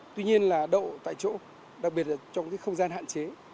tuy nhiên là độ tại chỗ đặc biệt là trong cái không gian hạn chế